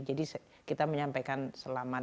jadi kita menyampaikan selamat